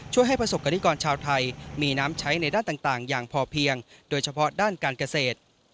ให้ประสบกรณิกรชาวไทยมีน้ำใช้ในด้านต่างอย่างพอเพียงโดยเฉพาะด้านการเกษตร